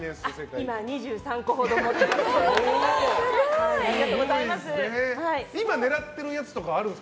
今は２３個ほど持ってます。